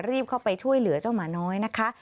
รีบเข้าไปช่วยเหลือเจ้าหมาน้อยนะคะ